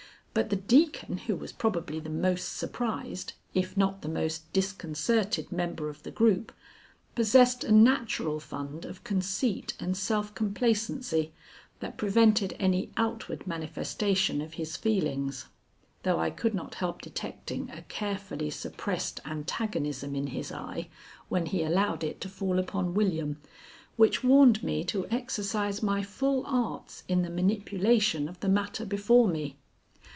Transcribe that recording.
But the Deacon, who was probably the most surprised, if not the most disconcerted member of the group, possessed a natural fund of conceit and self complacency that prevented any outward manifestation of his feelings, though I could not help detecting a carefully suppressed antagonism in his eye when he allowed it to fall upon William, which warned me to exercise my full arts in the manipulation of the matter before me.